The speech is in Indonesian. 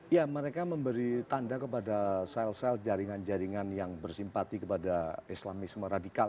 ya mereka memberi tanda kepada sel sel jaringan jaringan yang bersimpati kepada islamisme radikal